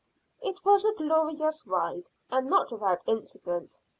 It was a glorious ride, and not without incident.